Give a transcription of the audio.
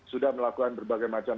sudah melakukan berbagai macam